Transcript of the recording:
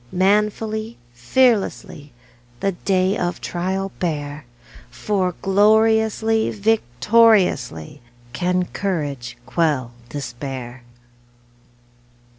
Manfully, fearlessly, The day of trial bear, For gloriously, victoriously, Can courage quell despair!